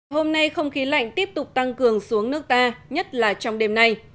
hôm nay không khí lạnh tiếp tục tăng cường xuống nước ta nhất là trong đêm nay